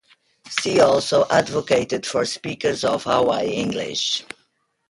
She also advocated for speakers of Hawaii English.